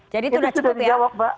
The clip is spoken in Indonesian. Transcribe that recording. jadi itu sudah cukup ya